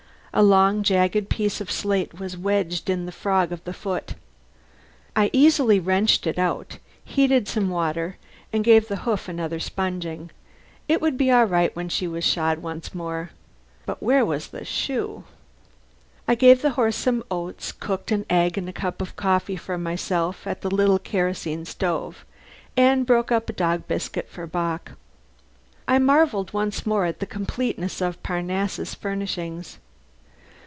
A long, jagged piece of slate was wedged in the frog of the foot. I easily wrenched it out, heated some water, and gave the hoof another sponging. It would be all right when shod once more. But where was the shoe? I gave the horse some oats, cooked an egg and a cup of coffee for myself at the little kerosene stove, and broke up a dog biscuit for Bock. I marvelled once more at the completeness of Parnassus' furnishings.